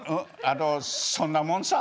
あのそんなもんさ。